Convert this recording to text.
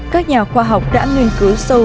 các nhà khoa học đã nghiên cứu sâu